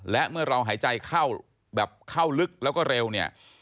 และเมื่อเราหายใจเข้าแบบเข้าลึกแล้วก็เร็วเนี่ย